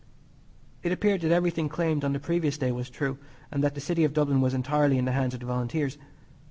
It appeared that everything claimed on the previous day was true, and that the City of Dublin was entirely in the hands of the Volunteers.